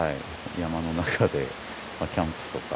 山の中でキャンプとか。